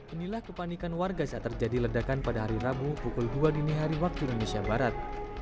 inilah kepanikan warga saat terjadi ledakan pada hari rabu pukul dua dini hari waktu indonesia barat